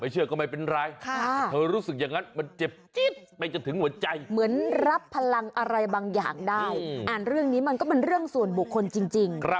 เชื่อก็ไม่เป็นไรเธอรู้สึกอย่างนั้นมันเจ็บจิ๊บไปจนถึงหัวใจเหมือนรับพลังอะไรบางอย่างได้อ่านเรื่องนี้มันก็เป็นเรื่องส่วนบุคคลจริง